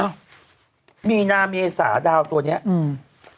เอ้ามีนาเมษาดาวตัวนี้อืม